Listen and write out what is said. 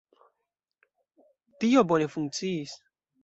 Tio bone funkciis.